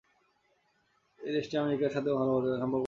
এই দেশটি আমেরিকার সাথেও ভালো সম্পর্ক বজায় রাখে।